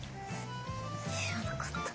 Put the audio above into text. しらなかった。